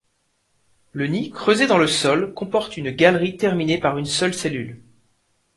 Le nid, creusé dans le sol, comporte une galerie terminée par une seule cellule.